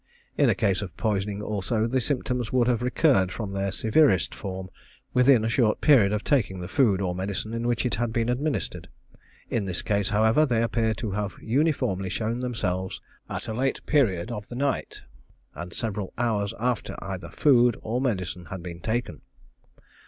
In a case of poisoning also, the symptoms would have recurred in their severest form within a short period of taking the food or medicine in which it had been administered. In this case, however, they appear to have uniformly shown themselves at a late period of the night, and several hours after either food or medicine had been taken.